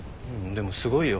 でもすごいよ。